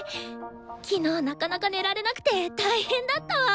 昨日なかなか寝られなくて大変だったわ。